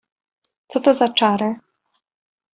Co to za czary?